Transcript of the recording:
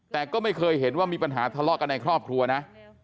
แต่ก็ไม่เคยเห็นว่ามีปัญหาทะเลาะกันในครอบครัวนะ